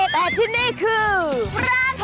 แต่ที่นี่คือฟรากตอน